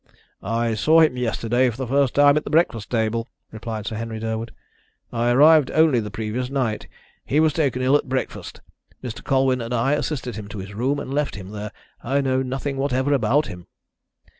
"I saw him yesterday for the first time at the breakfast table," replied Sir Henry Durwood. "I arrived only the previous night. He was taken ill at breakfast. Mr. Colwyn and I assisted him to his room and left him there. I know nothing whatever about him."